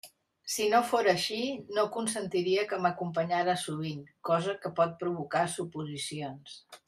Si no fóra així, no consentiria que m'acompanyara sovint, cosa que pot provocar suposicions.